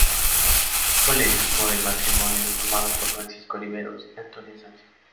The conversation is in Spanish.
Hijo legítimo del matrimonio formado por Francisco Oliveros y Antonia Sánchez.